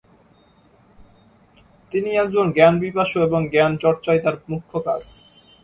তিনি একজন জ্ঞানপিপাসু এবং জ্ঞান চর্চাই তার মুখ্য কাজ।